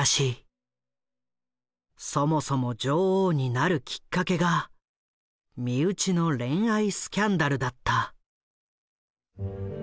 そもそも女王になるきっかけが身内の恋愛スキャンダルだった。